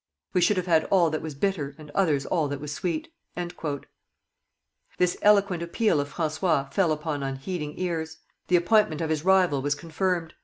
We should have had all that was bitter and others all that was sweet. This eloquent appeal of François fell upon unheeding ears; the appointment of his rival was confirmed.